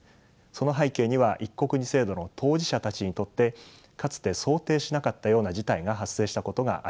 その背景には「一国二制度」の当事者たちにとってかつて想定しなかったような事態が発生したことがあります。